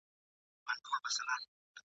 زه به هم درسره ځمه ..